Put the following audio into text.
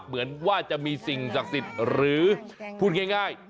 เหมือนว่าจะมีสิ่งศักดิ์สิทธิ์หรือพูดง่าย